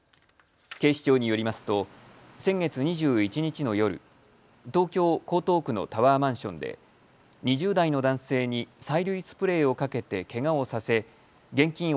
警視庁によりますと先月２１日の夜、東京江東区のタワーマンションで２０代の男性に催涙スプレーをかけてけがをさせ現金